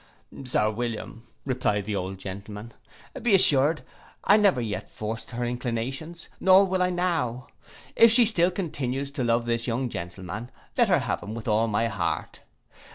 'Sir William,' replied the old gentleman, 'be assured I never yet forced her inclinations, nor will I now. If she still continues to love this young gentleman, let her have him with all my heart.